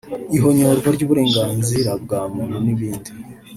ihonyorwa ry’uburenganzira bwa muntu n’ibindi